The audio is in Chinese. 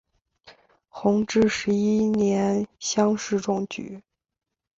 弘治十一年乡试中举。